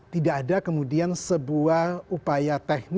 tidak ada kemudian sebuah upaya teknis